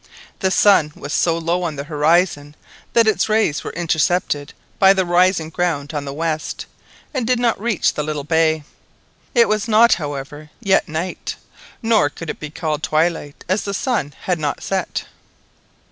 The sun was so low on the horizon, that its rays were intercepted by the rising ground on the west, and did not reach the little bay. It was not, however, yet night, nor could it be called twilight, as the sun had not set.